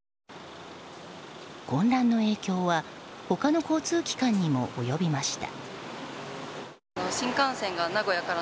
混乱の影響は他の交通機関にも及びました。